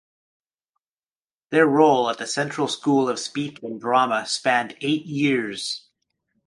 Their role at the Central School of Speech and Drama spanned eight years.